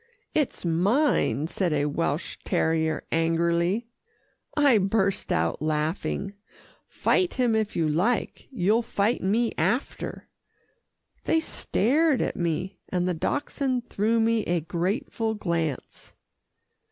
"It's mine," said a Welsh terrier angrily. I burst out laughing. "Fight him if you like. You'll fight me after." They stared at me, and the Dachshund threw me a grateful glance.